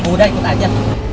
udah ikut aja